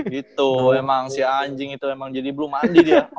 gitu emang si anjing itu emang jadi belum mandi dia